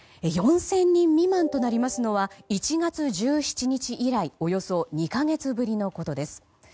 ４０００人未満となりますのは１月１７日以来およそ２か月ぶりのことです。